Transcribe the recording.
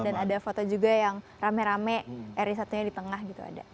dan ada foto juga yang rame rame ri satu nya di tengah gitu ada